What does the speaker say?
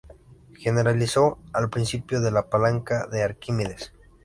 Generalizó el principio de la palanca de Arquímedes.